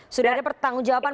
sudah ada pertanggung jawaban